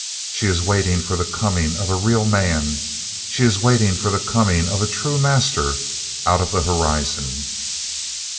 She is waiting for the coming of a real man, she is waiting for the coming of a true master out of the horizon!"